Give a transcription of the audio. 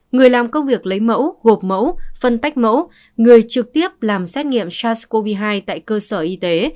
người làm công việc lấy mẫu gộp mẫu phân tách mẫu người trực tiếp làm xét nghiệm sars cov hai tại cơ sở y tế